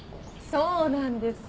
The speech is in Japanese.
そうなんです。